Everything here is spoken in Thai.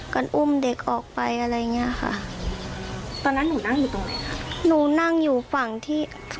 กันอุ้มเด็กออกไป